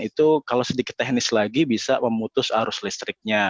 itu kalau sedikit teknis lagi bisa memutus arus listriknya